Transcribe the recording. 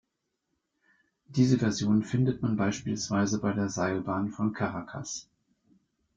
Diese Version findet man beispielsweise bei der Seilbahn von Caracas.